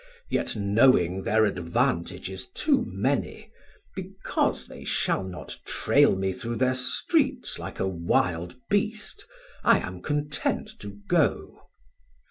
1400 Yet knowing thir advantages too many, Because they shall not trail me through thir streets Like a wild Beast, I am content to go.